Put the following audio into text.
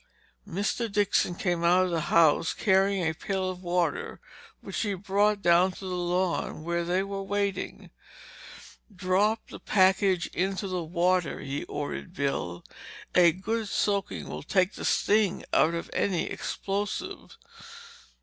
Mr. Dixon came out of the house carrying a pail of water, which he brought down to the lawn, where they were waiting. "Drop that package into the water," he ordered Bill. "A good soaking will take the sting out of any explosive."